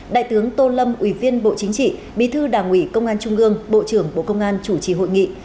đại tướng tô lâm ủy viên bộ chính trị bí thư đảng ủy công an trung ương bộ trưởng bộ công an chủ trì hội nghị